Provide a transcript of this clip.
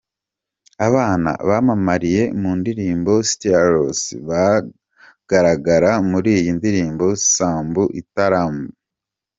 Abana bamamariye mu ndirimbo Sitya Loss bagaragara muri iyi ndirimbo Sambu Italumbna.